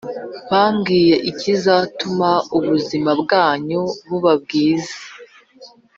mbabwire ikizatuma ubuzima bwanyu buba bwiza